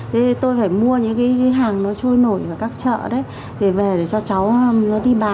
thế tôi phải mua những cái hàng nó trôi nổi ở các chợ đấy để về để cho cháu nó đi bán để lấy tiền tiêu